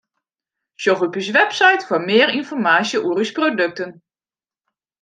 Sjoch op ús website foar mear ynformaasje oer ús produkten.